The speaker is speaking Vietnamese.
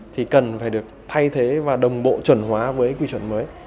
thì cần phải được thay thế và đồng bộ chuẩn hóa với quy chuẩn mới